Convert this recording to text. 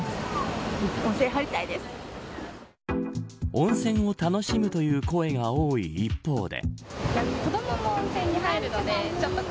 温泉を楽しむという声が多い一方で。